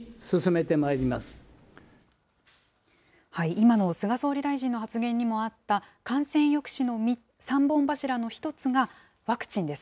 今の菅総理大臣の発言にもあった、感染抑止の３本柱の１つがワクチンです。